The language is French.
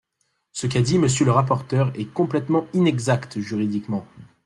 Ce qu’a dit Monsieur le rapporteur est complètement inexact juridiquement.